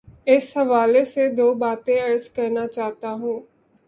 اس حوالے سے دو باتیں عرض کرنا چاہتا ہوں۔